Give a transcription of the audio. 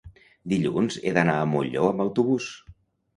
dilluns he d'anar a Molló amb autobús.